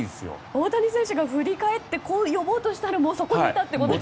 大谷選手が振り返って呼ぼうとしたらそこにいたってことですね。